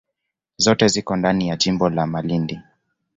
Zote ziko ndani ya jimbo la Malindi.